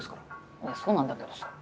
いやそうなんだけどさ。